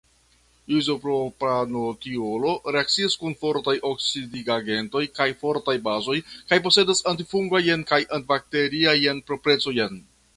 Izopropanotiolo reakcias kun fortaj oksidigagentoj kaj fortaj bazoj kaj posedas antifungajn kaj antibakteriajn proprecojn.